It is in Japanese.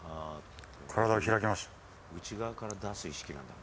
体を開きました。